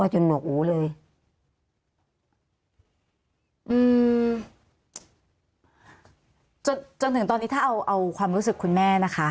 จนถึงตอนนี้ถ้าเอาเอาความรู้สึกคุณแม่นะคะ